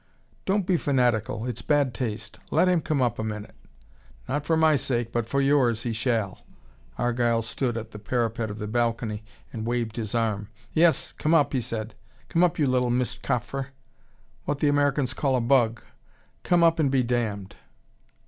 "Don't be fanatical, it's bad taste. Let him come up a minute." "Not for my sake. But for yours, he shall," Argyle stood at the parapet of the balcony and waved his arm. "Yes, come up," he said, "come up, you little mistkafer what the Americans call a bug. Come up and be damned."